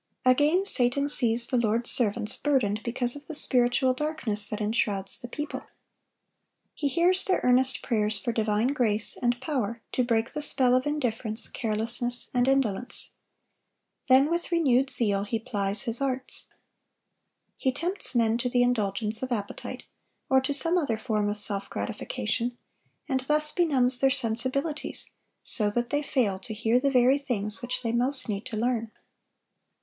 Again, Satan sees the Lord's servants burdened because of the spiritual darkness that enshrouds the people. He hears their earnest prayers for divine grace and power to break the spell of indifference, carelessness, and indolence. Then with renewed zeal he plies his arts. He tempts men to the indulgence of appetite or to some other form of self gratification, and thus benumbs their sensibilities, so that they fail to hear the very things which they most need to learn.